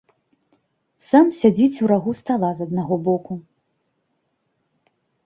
Сам сядзіць у рагу стала з аднаго боку.